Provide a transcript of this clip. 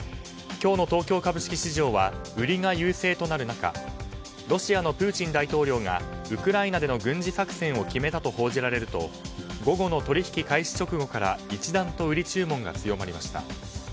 今日の東京株式市場は売りが優勢となる中ロシアのプーチン大統領がウクライナでの軍事作戦を決めたと報じられると午後の取引開始直後から一段と売り注文が強まりました。